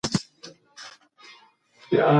ګوندونه د ولس ګډون ته ډېر ارزښت ورکوي.